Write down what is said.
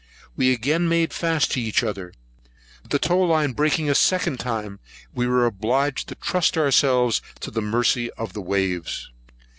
We again made fast to each other; but the tow line breaking a second time, we were obliged to trust ourselves to the mercy of the waves.